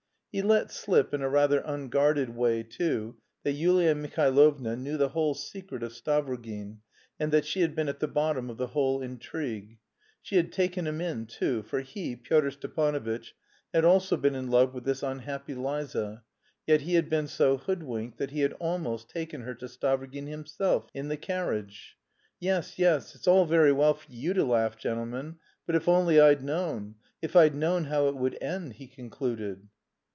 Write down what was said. He let slip in a rather unguarded way, too, that Yulia Mihailovna knew the whole secret of Stavrogin and that she had been at the bottom of the whole intrigue. She had taken him in too, for he, Pyotr Stepanovitch, had also been in love with this unhappy Liza, yet he had been so hoodwinked that he had almost taken her to Stavrogin himself in the carriage. "Yes, yes, it's all very well for you to laugh, gentlemen, but if only I'd known, if I'd known how it would end!" he concluded.